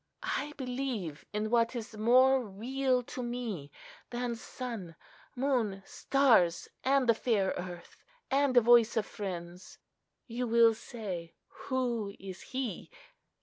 I believe in what is more real to me than sun, moon, stars, and the fair earth, and the voice of friends. You will say, Who is He?